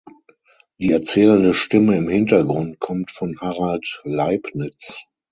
Die erzählende Stimme im Hintergrund kommt von Harald Leipnitz.